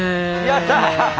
やった！